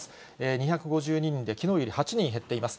２５２人できのうより８人減っています。